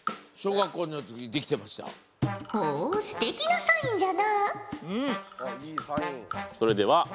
ほうすてきなサインじゃな。